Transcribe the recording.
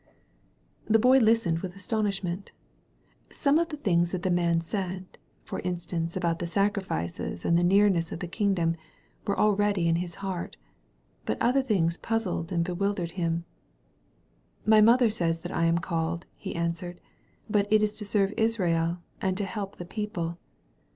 The Boy listened with astonishment. Some of the things that the man said — for instivnce, about the sacrifices and about the nearness of the king dom — were already in his heart. But other things puzzled and bewildered him. *'My mother says that I am called," he answered, *'but it is to serve Israel and to help the people.